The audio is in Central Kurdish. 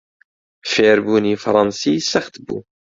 فێربوونی فەڕەنسی سەخت بوو.